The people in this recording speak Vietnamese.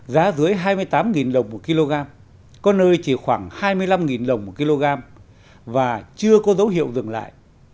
giá dưới hai mươi tám đồng một kg có nơi chỉ khoảng hai mươi năm đồng một kg và chưa có dấu hiệu dừng lại